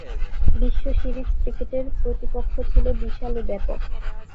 বিশ্ব সিরিজ ক্রিকেটের প্রতিপক্ষ ছিল বিশাল ও ব্যাপক।